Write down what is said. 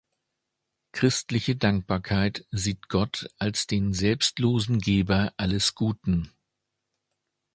Christliche Dankbarkeit sieht Gott als den selbstlosen Geber alles Guten.